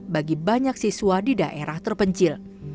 bagi banyak siswa di daerah terpencil